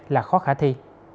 là khó khả thi